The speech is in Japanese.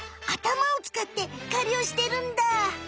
あたまをつかって狩りをしてるんだ。